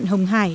nữ hạn hồng hải